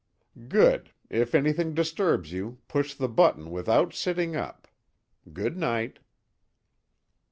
"Good. If anything disturbs you push the button without sitting up. Good night."